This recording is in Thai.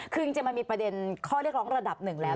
คือจริงมันมีประเด็นข้อเรียกร้องระดับหนึ่งแล้ว